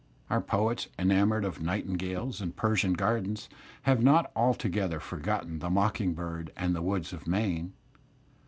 Our poets, enamoured of nightingales and Persian gardens, have not altogether forgotten ) the mocking bird and the woods of Maine.